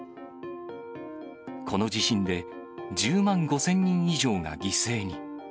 この地震で、１０万５０００人以上が犠牲に。